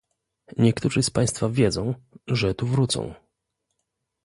Niektórzy z państwa wiedzą, że tu wrócą